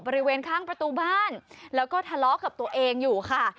บริเวณข้างประตูบ้านแล้วก็ทะเลาะกับตัวเองอยู่ค่ะ